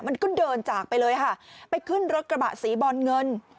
มันก็เดินจากไปเลยค่ะไปขึ้นรถกระบะสีบอลเงิน